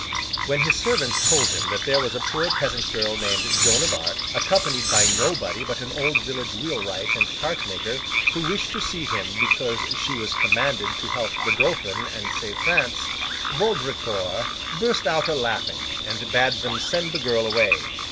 When his servants told him that there was a poor peasant girl named Joan of Arc, accompanied by nobody but an old village wheelwright and cart maker, who wished to see him because she was commanded to help the Dauphin and save France, Baudricourt burst out a laughing, and bade them send the girl away.